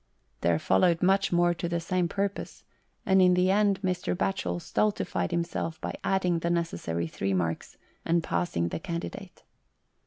There followed much more to the same purpose, and in the end Mr. Batchel stultified himself by adding the necessary three marks, and passing the candidate.